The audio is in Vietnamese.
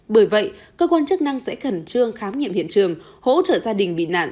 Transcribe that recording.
bởi vậy cơ quan chức năng sẽ khẩn trương khám nghiệm hiện trường hỗ trợ gia đình bị nạn